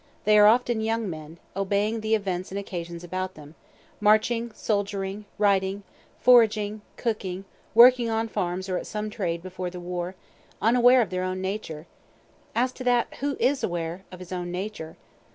They are often young men, obeying the events and occasions about them, marching, soldiering, righting, foraging, cooking, working on farms or at some trade before the war unaware of their own nature, (as to that, who is aware of his own nature?)